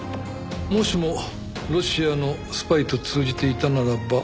もしもロシアのスパイと通じていたならば。